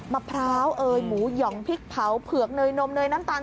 มะพร้าวเอยหมูหย่องพริกเผาเผือกเนยนมเนยน้ำตาล